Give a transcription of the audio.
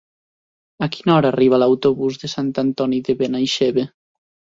A quina hora arriba l'autobús de Sant Antoni de Benaixeve?